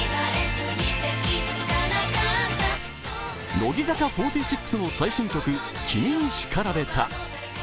乃木坂４６の最新曲「君に叱られた」。